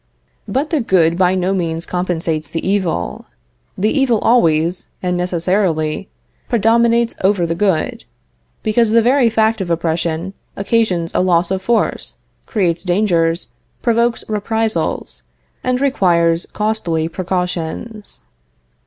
But the good by no means compensates the evil. The evil always, and necessarily, predominates over the good, because the very fact of oppression occasions a loss of force, creates dangers, provokes reprisals, and requires costly precautions.